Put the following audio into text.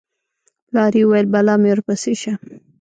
پلار یې وویل: بلا مې ورپسې شه